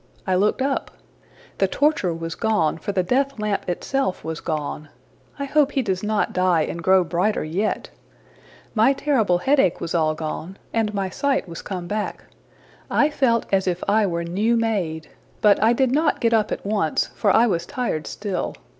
I looked up. The torture was gone, for the death lamp itself was gone. I hope he does not die and grow brighter yet. My terrible headache was all gone, and my sight was come back. I felt as if I were new made. But I did not get up at once, for I was tired still.